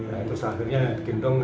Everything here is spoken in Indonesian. nah itu seakhirnya gendong